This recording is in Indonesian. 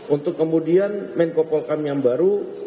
untuk kemudian menko polkam yang baru